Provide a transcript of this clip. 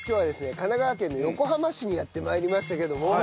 神奈川県の横浜市にやって参りましたけども。